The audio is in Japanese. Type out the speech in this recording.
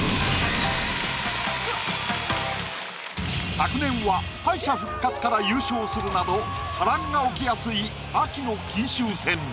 昨年は敗者復活から優勝するなど波乱が起きやすい秋の金秋戦。